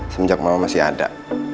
semenjak mama masih ada